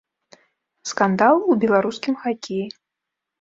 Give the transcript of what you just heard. Скандал у беларускім хакеі.